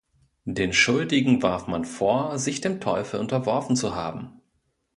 Den Schuldigen warf man vor, sich dem Teufel unterworfen zu haben.